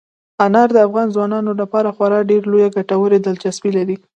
انار د افغان ځوانانو لپاره خورا ډېره لویه کلتوري دلچسپي لري.